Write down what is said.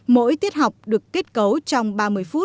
mỗi tiết học được kết cấu trong ba mươi phút